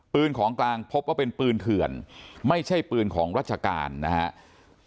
ปืนของกลางพบว่าเป็นปืนเถื่อนไม่ใช่ปืนของราชการนะครับ